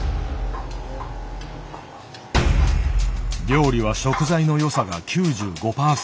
「料理は食材の良さが９５％」。